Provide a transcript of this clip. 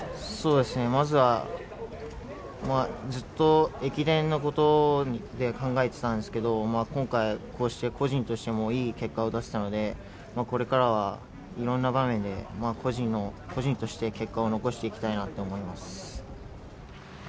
まずは、ずっと駅伝のことを考えてたんですけど今回、こうして個人としてもいい結果を出せたのでこれからはいろいろな場面で個人として結果を残していきたいなと思います。